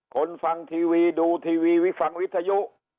ฟังทีวีดูทีวีวิฟังวิทยุ